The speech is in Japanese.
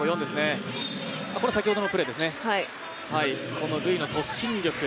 このルイの突進力。